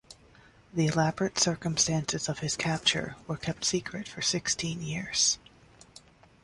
The elaborate circumstances of his capture were kept secret for sixteen years.